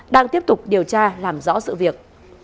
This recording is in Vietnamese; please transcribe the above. đang tiếp tục điều tra làm rõ sự việc